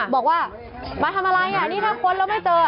บอกว่ามาทำอะไรนี่ถ้าค้นแล้วไม่เจอ